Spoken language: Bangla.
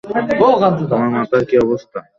তোমার মাথার কী অবস্থা?